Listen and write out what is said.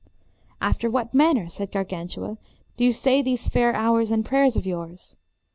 After what manner, said Gargantua, do you say these fair hours and prayers of yours?